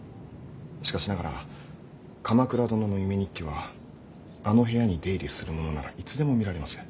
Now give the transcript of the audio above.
しかしながら鎌倉殿の夢日記はあの部屋に出入りする者ならいつでも見られます。